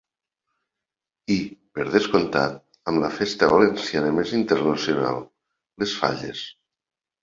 I, per descomptat, amb la festa valenciana més internacional, les Falles.